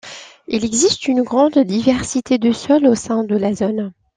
Il existe une grande diversité de sol au sein de la zone.